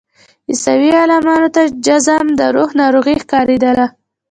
عیسوي عالمانو ته جذام د روح ناروغي ښکارېدله.